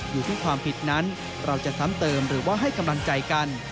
อยู่ที่ความผิดนั้นเราจะซ้ำเติมหรือว่าให้กำลังใจกัน